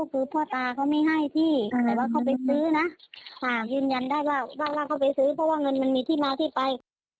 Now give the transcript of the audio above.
คือพ่อตาเขาไม่ให้พี่แต่ว่าเขาไปซื้อนะยืนยันได้ว่าเขาไปซื้อเพราะว่าเงินมันมีที่มาที่ไป